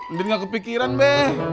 ndin gak kepikiran be